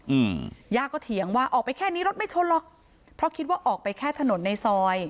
อืมย่าก็เถียงว่าออกไปแค่นี้รถไม่ชนหรอกเพราะคิดว่าออกไปแค่ถนนในซอย